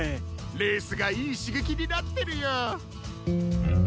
レースがいいしげきになってるよ。